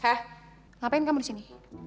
kak ngapain kamu di sini